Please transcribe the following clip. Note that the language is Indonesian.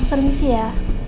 maaf permisi ya